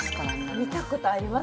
見たことあります